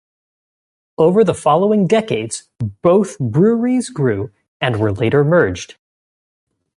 Over the following decades both breweries grew and were later merged.